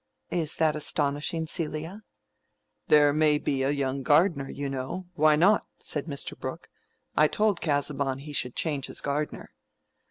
"Is that astonishing, Celia?" "There may be a young gardener, you know—why not?" said Mr. Brooke. "I told Casaubon he should change his gardener."